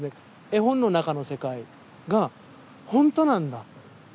絵本の中の世界が本当なんだ。